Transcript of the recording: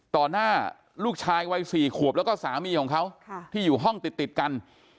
หน้าลูกชายวัย๔ขวบแล้วก็สามีของเขาที่อยู่ห้องติดกัน